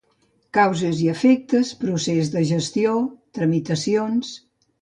Causes i efectes, procés de gestió, tramitacions...